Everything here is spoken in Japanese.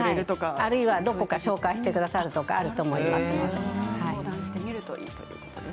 あるいはどこか紹介してくれるとかあると思います。